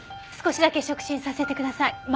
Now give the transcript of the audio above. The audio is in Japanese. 少しだけ触診させてください。